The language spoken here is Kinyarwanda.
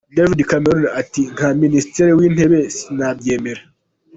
David Cameron ati, nka minisitiri w'intebe sinabyemera.